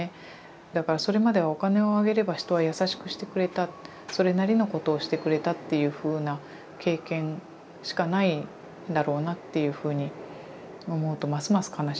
だからそれまではお金をあげれば人は優しくしてくれたそれなりのことをしてくれたっていうふうな経験しかないんだろうなっていうふうに思うとますます悲しいんですけれど。